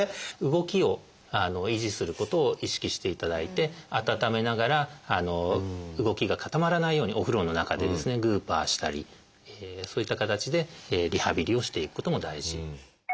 動きを維持することを意識していただいて温めながら動きが固まらないようにお風呂の中でですねグーパーしたりそういった形でリハビリをしていくことも大事。